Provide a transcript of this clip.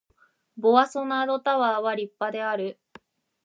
ボワソナードタワーは立派である